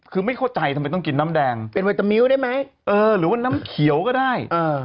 คือไม่เข้าใจทำไมต้องกินน้ำแดงเป็นไวตามิ้วได้ไหมเออหรือว่าน้ำเขียวก็ได้